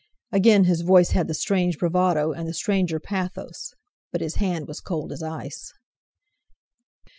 Again his voice had the strange bravado and the stranger pathos; but his hand was cold as ice.